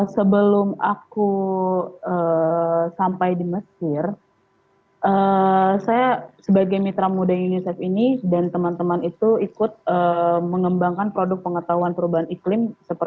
sebelum aku sampai di mesir saya sebagai mitra muda unicef ini dan teman teman itu ikut mengembangkan produk pengetahuan perubahan iklim